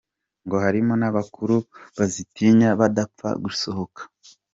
Ngo harimo n’abakuru bazitinya badapfa gusohoka.